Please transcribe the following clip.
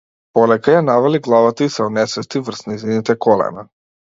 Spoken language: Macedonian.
Полека ја навали главата и се онесвести врз нејзините колена.